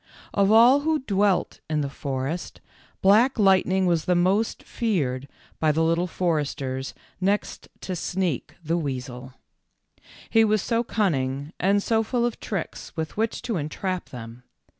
Of all who dwelt in the forest, Black Light ning was most feared by the Little Foresters next to Sneak, the weasel. He was so cun ning and so full of tricks with which to entrap them.